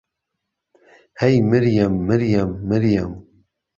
ههی مریهم مریهم مریهم